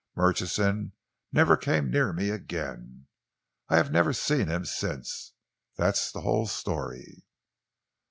Murchison never came near me again. I have never seen him since. That's the whole story."